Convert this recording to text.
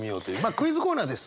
クイズコーナーです。